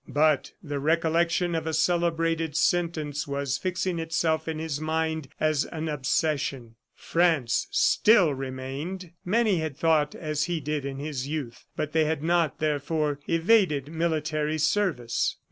... But the recollection of a celebrated sentence was fixing itself in his mind as an obsession "France still remained!" Many had thought as he did in his youth, but they had not, therefore, evaded military service.